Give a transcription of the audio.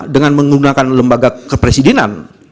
dengan menggunakan lembaga kepresidenan